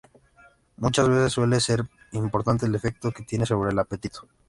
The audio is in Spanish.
Muchas veces suele ser importante el efecto que tienen sobre el apetito.